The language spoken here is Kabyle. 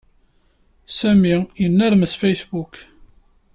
Sami yennermes Facebook.